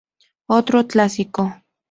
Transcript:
Otro clásico.